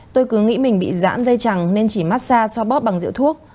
tôi cứ nghĩ mình bị dãn dây chẳng nên chỉ massage xoa bóp bằng rượu thuốc